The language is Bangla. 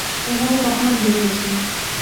এভাবে কখনো ভেবে দেখিনি।